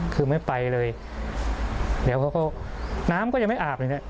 คือไม่ไปเลยเดี๋ยวเขาก็น้ำก็ยังไม่อาบเลยเนี่ย